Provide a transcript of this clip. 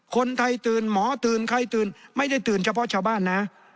คนไทยตื่นหมอตื่นใครตื่นไม่ได้ตื่นเฉพาะชาวบ้านนะ